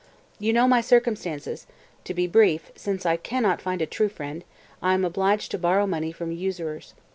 223. "You know my circumstances; to be brief, since I can not find a true friend, I am obliged to borrow money from usurers.